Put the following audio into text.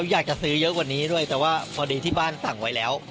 อยากจะซื้อเยอะกว่านี้ด้วยแต่ว่าพอดีที่บ้านสั่งไว้แล้ว